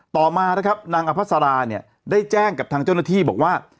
ต่อมานางอภัทราได้แจ้งกับทางเจ้าหน้าที่บอกว่า